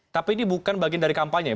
tapi ini bukan bagian dari kampanye